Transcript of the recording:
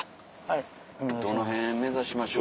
どの辺目指しましょう？